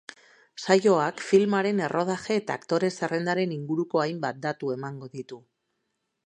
Saioak filmaren errodaje eta aktore zerrendaren inguruko hainbat datu emango ditu.